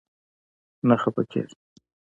نه خپه کيږم